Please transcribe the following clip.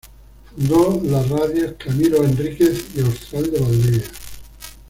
Fundó las radios Camilo Henríquez y Austral de Valdivia.